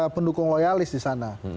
pendukung loyalis di sana